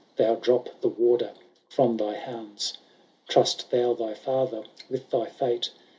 Thou drop the warder from thy bands. Trust thou thy father with thy fate.